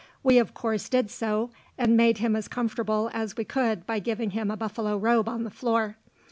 We of course did so, and made him as comfortable as we could by giving him a buffalo robe on the floor.